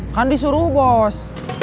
kan disuruh bos